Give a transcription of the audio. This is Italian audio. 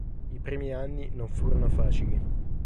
I primi anni non furono facili.